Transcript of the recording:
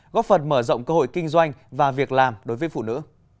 góp phần mở rộng cơ hội kinh doanh và việc làm đối với phụ nữ